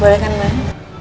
boleh kan bang